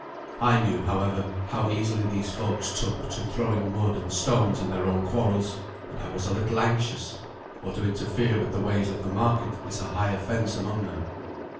I knew, however, how easily these folks took to throwing mud and stones in their own quarrels, and I was a little anxious, for to interfere with the ways of the market is a high offence among them.